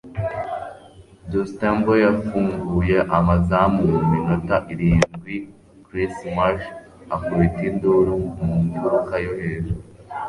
Dunstable yafunguye amazamu mu minota irindwi Chris Marsh akubita induru mu mfuruka yo hejuru.